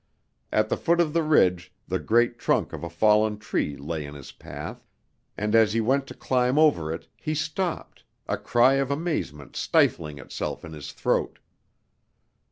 At the foot of the ridge the great trunk of a fallen tree lay in his path, and as he went to climb over it he stopped, a cry of amazement stifling itself in his throat.